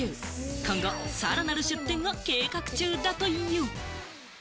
今後、さらなる出店を計画中だという。